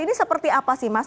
ini seperti apa sih mas